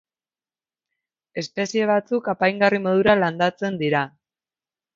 Espezie batzuk apaingarri modura landatzen dira.